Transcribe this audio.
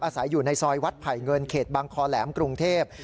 อาศัยอยู่ในซอยวัดไผ่เงินเขตบางคอแหลมกรุงเทพ